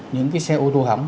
những cái xe ô tô hỏng